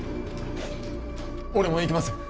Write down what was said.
俺も行きます